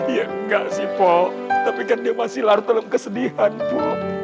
ya enggak sih po tapi kan dia masih larut dalam kesedihan po